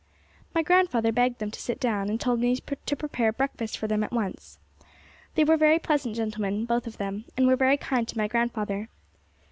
My grandfather begged them to sit down, and told me to prepare breakfast for them at once. They were very pleasant gentlemen, both of them, and were very kind to my grandfather.